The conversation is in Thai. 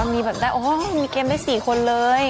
อ๋อมีแบบนั้นมีเกมได้๔คนเลย